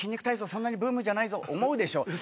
そんなにブームじゃないぞ思うでしょ？